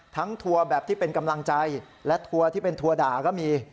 ทัวร์แบบที่เป็นกำลังใจและทัวร์ที่เป็นทัวร์ด่าก็มี